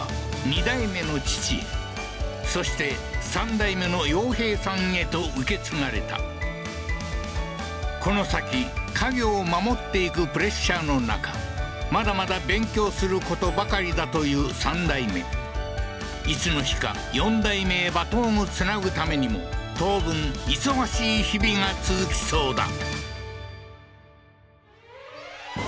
二代目の父へそして三代目の陽平さんへと受け継がれたこの先家業を守っていくプレッシャーの中まだまだ勉強することばかりだという三代目いつの日か四代目へバトンをつなぐためにも当分忙しい日々が続きそうだ